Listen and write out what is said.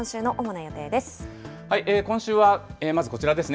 今週は、まずこちらですね。